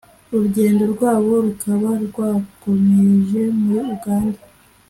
urugendo rwabo rukaba rwakomereje muri Uganda